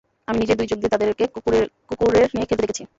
আমি নিজের দুই চোখ দিয়ে তাদেরকে কুকুরের নিয়ে খেলতে দেখেছি!